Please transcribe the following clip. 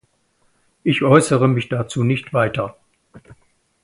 Ich äußere mich dazu nicht weiter.